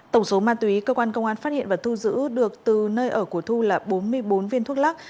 tổng số ma túy cơ quan công an phát hiện và thu giữ được từ nơi ở của thu là bốn mươi bốn viên thuốc lắc